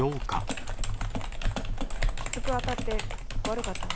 きつく当たって悪かったわ。